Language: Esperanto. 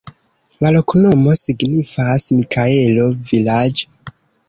La loknomo signifas: Mikaelo-vilaĝ'.